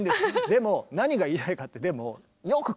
でも何が言いたいかってでもよく考えてみてね。